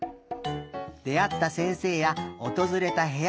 であった先生やおとずれたへや。